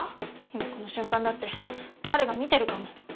今この瞬間だって彼が見てるかも。